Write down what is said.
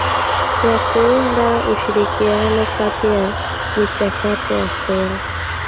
ya kuunda ushirikiano kati ya michakato ya sera